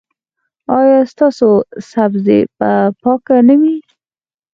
ایا ستاسو سبزي به پاکه نه وي؟